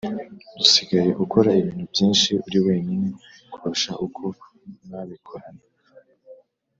usigaye ukora ibintu byinshi uri wenyine kurusha uko mwabikorana